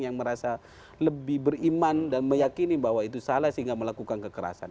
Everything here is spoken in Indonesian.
yang merasa lebih beriman dan meyakini bahwa itu salah sehingga melakukan kekerasan